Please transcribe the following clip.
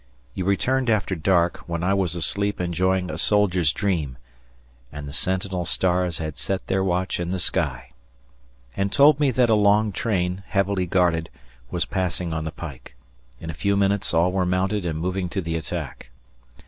You returned after dark, when I was asleep enjoying a soldier's dream, "and the sentinel stars had set their watch in the sky", and told me that a long train, heavily guarded, was passing on the pike. In a few minutes all were mounted and moving to the attack.